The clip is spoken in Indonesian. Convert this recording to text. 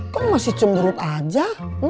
kok masih cenderut aja